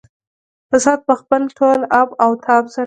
فساد په خپل ټول آب او تاب سره.